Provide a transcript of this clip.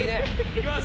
行きます。